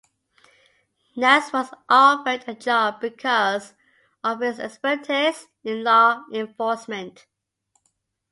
Ness was offered a job because of his expertise in law enforcement.